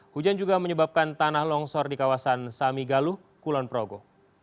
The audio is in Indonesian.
hujan juga menyebabkan tanah longsor di kawasan samigalu kulon progo